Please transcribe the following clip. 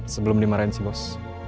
sebelum dimarahin si bos